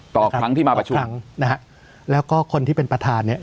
ครั้งที่มาประชุมครั้งนะฮะแล้วก็คนที่เป็นประธานเนี่ย